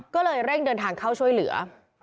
ก็เลยเร่งเดินทางเข้าช่วยเหลือ